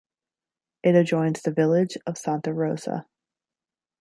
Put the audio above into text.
It adjoins the village of Santa Rosa.